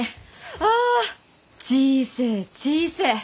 ア小せえ小せえ。